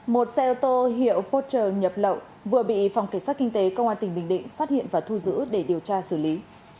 một xe ô tô hiệu poter nhập lậu vừa bị phòng cảnh sát kinh tế công an tỉnh bình định phát hiện và thu giữ để điều tra xử lý